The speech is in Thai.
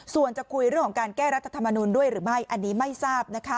ส่วนจะคุยเรื่องของการแก้รัฐธรรมนุนด้วยหรือไม่อันนี้ไม่ทราบนะคะ